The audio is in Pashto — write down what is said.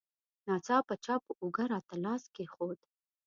ناڅاپه چا په اوږه راته لاس کېښود.